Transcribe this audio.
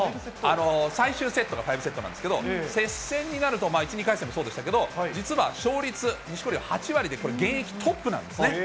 最終セットが５セットなんですけど、接戦になると、１、２回戦もそうでしたけど、実は勝率、錦織は８割で現役トップなんですね。